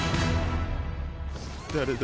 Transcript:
誰だ？